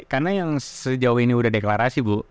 karena yang sejauh ini sudah deklarasi bu